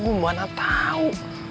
gue mana tau